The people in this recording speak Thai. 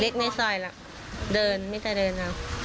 เล็กในซอยแล้วเดินไม่ใช่เดินแล้ว